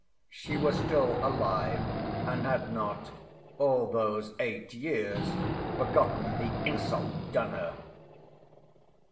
She was still alive, and had not, all those eight years, forgotten the insult done her.